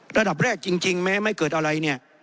ระดับแรกจริงแม้ไม่เกิดอะไรเนี่ย